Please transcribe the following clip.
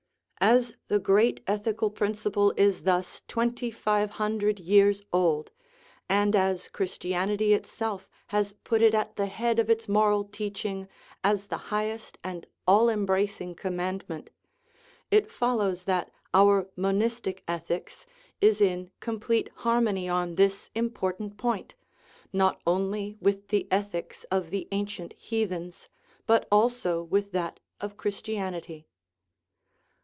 As the great ethical principle is thus twenty five hun dred years old, and as Christianity itself has put it at the head of its moral teaching as the highest and all embracing commandment, it follows that our monistic ethics is in complete harmony on this important point, not only with the ethics of the ancient heathens, but also 35 2 OUR MONISTIC ETHICS with that of Christianity.